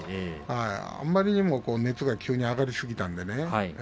あまりにも熱が急に上がりすぎたのでね。